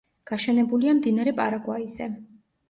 გაშენებულია მდინარე პარაგვაიზე.